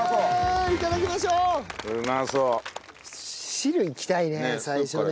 汁いきたいね最初ね。